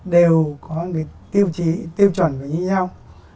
đều có tiêu chuẩn như nhau